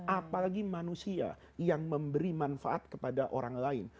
apalagi manusia yang memberi manfaat kepada orang lain